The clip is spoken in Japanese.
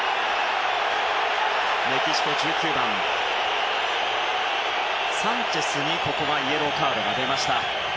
メキシコ、１９番サンチェスにイエローカードが出ました。